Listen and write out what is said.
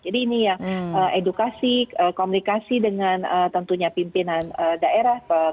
jadi ini yang edukasi komunikasi dengan tentunya pimpinan daerah